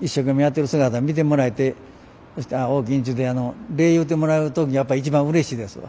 一生懸命やってる姿を見てもらえてそして「おおきに」ちゅうて礼言うてもらう時がやっぱ一番うれしいですわ。